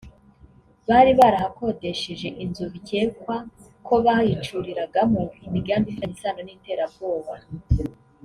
bari barahakodesheje inzu bikekwa ko bayicuriragamo imigambi ifitanye isano n’iterabwoba